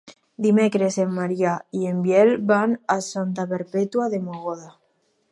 Dimecres en Maria i en Biel van a Santa Perpètua de Mogoda.